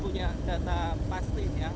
belum punya data pastinya